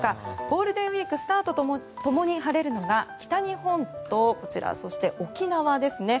ゴールデンウィークスタートとともに晴れるのが北日本と沖縄ですね。